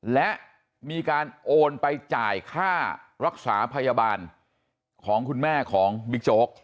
และมีการโอนไปจ่ายค่ารักษาพยาบาลของคุณแม่ของบิ๊กโจ๊ก